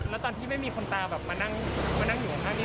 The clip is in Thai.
แล้วตอนที่ไม่มีคนตาแบบมานั่งอยู่ข้างนี้